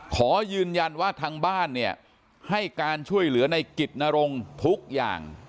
ขอยืนยันว่าทางบ้านเนี่ยให้การช่วยเหลือในกิจนรงค์ทุกอย่าง